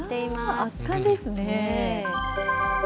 圧巻ですね。